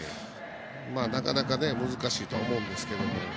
なかなか難しいとは思うんですけども。